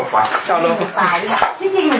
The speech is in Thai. โดนพาขวายอย่างเนี่ย